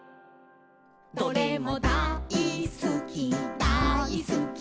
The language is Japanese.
「どれも大すきだいすき」